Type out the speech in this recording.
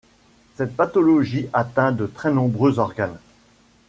Cette pathologie atteint de très nombreux organes.